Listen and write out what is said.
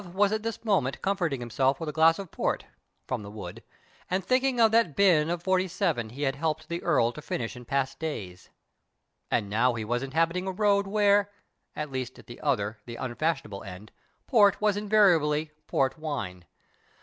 was at this moment comforting himself witli a glass of port (from the wood) and thinking of that bin of '47 he had helped the Earl to finish in past days. And now he was inhabiting a road where (at least at the other, the unfashionable, end) port was invariably " port wine."